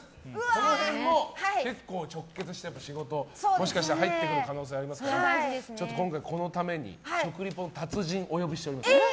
この辺も結構直結して仕事、もしかしたら入ってくる可能性ありますからちょっと今回、このために食リポの達人をお呼びしております。